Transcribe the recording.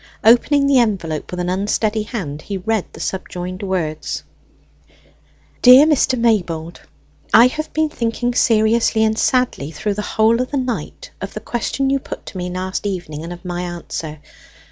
Opening the envelope with an unsteady hand, he read the subjoined words: "DEAR MR. MAYBOLD, I have been thinking seriously and sadly through the whole of the night of the question you put to me last evening and of my answer.